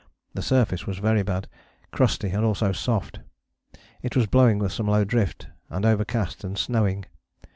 The surface was very bad, crusty and also soft: it was blowing with some low drift, and overcast and snowing.